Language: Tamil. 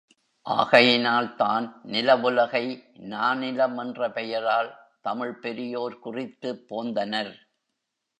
ஆகையினால்தான் நிலவுலகை நானிலம் என்ற பெயரால் தமிழ்ப் பெரியோர் குறித்துப் போந்தனர்.